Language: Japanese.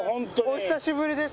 お久しぶりです。